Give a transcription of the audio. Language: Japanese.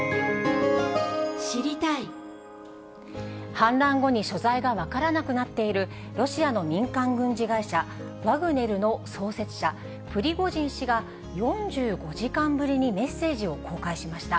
反乱後に所在が分からなくなっている、ロシアの民間軍事会社、ワグネルの創設者、プリゴジン氏が、４５時間ぶりにメッセージを公開しました。